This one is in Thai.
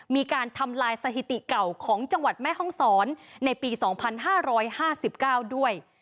มีการทำลายสถิติเก่าของจังหวัดแม่ห้องศรในปี๒๕๕๙ด้วย